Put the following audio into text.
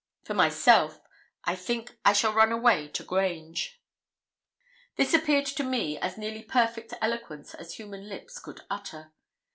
For myself, I think I shall run away to Grange.' This appeared to me as nearly perfect eloquence as human lips could utter.